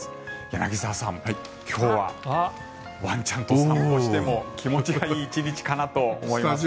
柳澤さん、今日はワンちゃんと散歩しても気持ちがいい１日かなと思います。